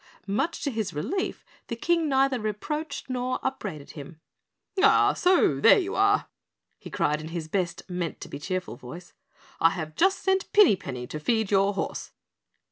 Much to his relief, the King neither reproached nor upbraided him. "Ah, so there you are?" he cried in his best meant to be cheerful voice. "I have just sent Pinny Penny to feed your horse."